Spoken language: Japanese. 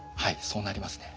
そうなりますね。